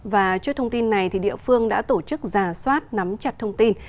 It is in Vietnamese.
và trước thông tin này địa phương đã tổ chức giả soát nắm chặt thông tin